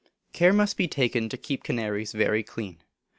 Care must be taken to keep canaries very clean.